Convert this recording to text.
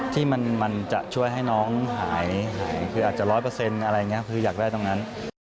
ที่มันจะช่วยให้น้องหายคืออาจจะร้อยเปอร์เซ็นต์อะไรอย่างนี้คืออยากได้ตรงนั้น